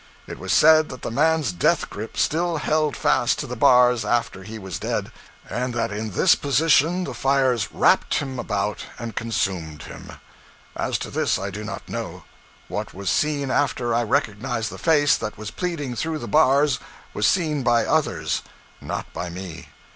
It was said that the man's death grip still held fast to the bars after he was dead; and that in this position the fires wrapped him about and consumed him. As to this, I do not know. What was seen after I recognized the face that was pleading through the bars was seen by others, not by me.